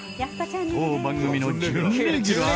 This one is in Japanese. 当番組の準レギュラー！？